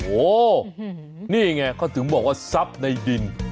โอ้โฮนี่ไงก็ถึงบอกว่าซับในดิน